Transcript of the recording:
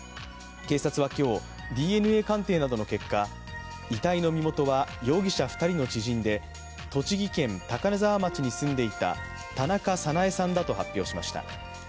警察は今日、ＤＮＡ鑑定などの結果、遺体の身元は容疑者２人の知人で栃木県高根沢町に住んでいた田中早苗さんだと発表しました。